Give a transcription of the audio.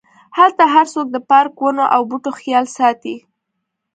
هلته هرڅوک د پارک، ونو او بوټو خیال ساتي.